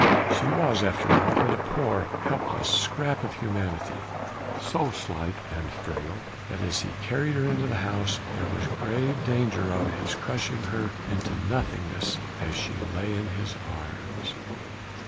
She was after all but a poor, helpless scrap of humanity, so slight and frail that as he carried her into the house, there was grave danger of his crushing her into nothingness as she lay in his arms.